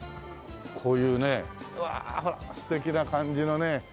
こういうねうわほら素敵な感じのね